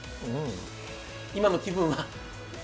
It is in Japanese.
今の気分は？